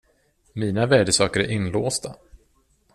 Mina värdesaker är inlåsta.